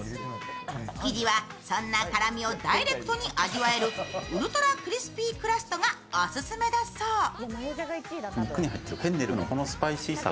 生地は、そんな辛みをダイレクトに味わえるウルトラクリスピークラストがオススメだそう。